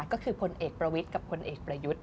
ก็คือพลเอกประวิทย์กับพลเอกประยุทธ์